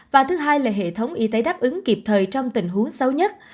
và thứ hai là hệ thống y tế đáp ứng kịp thời trong tình huống xấu nhất